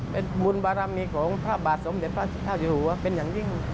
เป็นบุญบารมีของพระบาทสมเด็จพระเจ้าอยู่หัวเป็นอย่างยิ่ง